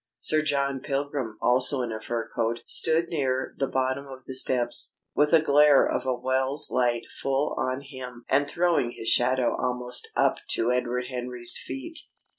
Sir John Pilgrim, also in a fur coat, stood near the bottom of the steps, with a glare of a Wells light full on him and throwing his shadow almost up to Edward Henry's feet.